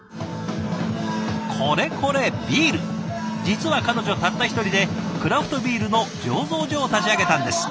実は彼女たった一人でクラフトビールの醸造所を立ち上げたんです。